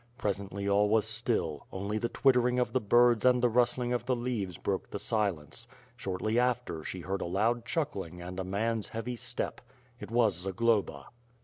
Presently all was still; only the twittering of the birds and the rustling of the leaves broke the silence. Shortly after she heard a loud chuckling and a man's heavy step. It was Zagloba.